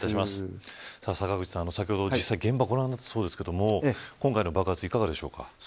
坂口さん、先ほど実際に現場をご覧なったそうですが今回の爆発いかがでしょうか。